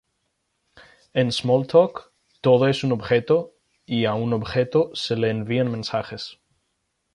En Smalltalk todo es un objeto, y a un objeto se le envían mensajes.